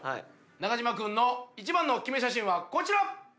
中島君の一番のキメ写真はこちら！